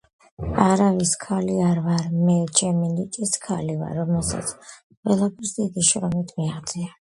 არავის ქალი არ ვარ, ჩემი ნიჭის ქალი ვარ, რომელმაც ყველაფერს დიდი შრომით მიაღწია.